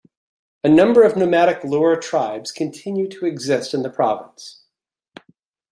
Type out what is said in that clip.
A number of nomadic Lur tribes continue to exist in the province.